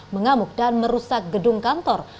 mengamuk dan merusak gedung kantor